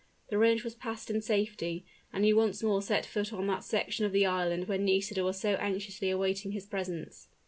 The range was passed in safety, and he once more set foot on that section of the island where Nisida was so anxiously awaiting his presence.